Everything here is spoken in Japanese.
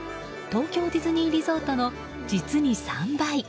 東京ディズニーリゾートの実に３倍。